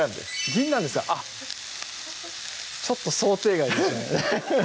銀杏ですかあっちょっと想定外でしたね